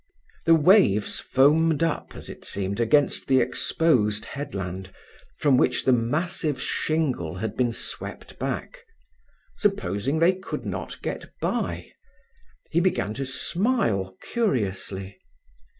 The waves foamed up, as it seemed, against the exposed headland, from which the massive shingle had been swept back. Supposing they could not get by? He began to smile curiously.